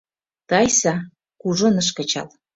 Тайса кужун ыш кычал.